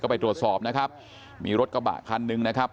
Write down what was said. ไปตรวจสอบนะครับมีรถกระบะคันหนึ่งนะครับ